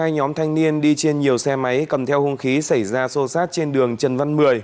hai nhóm thanh niên đi trên nhiều xe máy cầm theo hung khí xảy ra sô sát trên đường trần văn một mươi